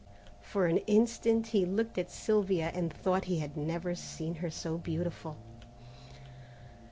For an instant he looked at Sylvia and thought he had never seen her so beautiful.